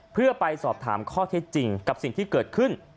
เพื่อไปสอบถามข้อเท็จจริงกับสิ่งที่เกิดขึ้น